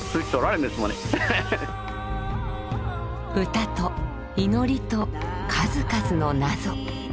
歌と祈りと数々の謎。